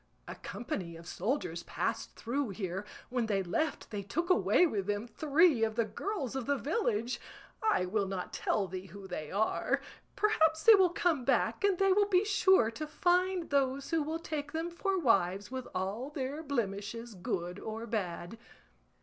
A company of soldiers passed through here; when they left they took away with them three of the girls of the village; I will not tell thee who they are; perhaps they will come back, and they will be sure to find those who will take them for wives with all their blemishes, good or bad.